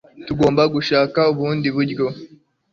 Tugomba gushaka ubundi buryo.